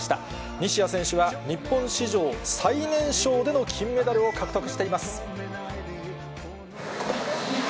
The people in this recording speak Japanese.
西矢選手は日本史上最年少での金メダルを獲得しています。